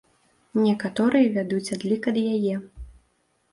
Некаторыя вядуць адлік ад яе.